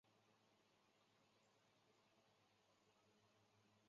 林登费尔斯是德国黑森州的一个市镇。